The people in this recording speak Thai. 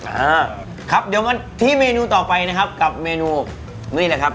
อ่าครับเดี๋ยวมาที่เมนูต่อไปนะครับกับเมนูนี่แหละครับ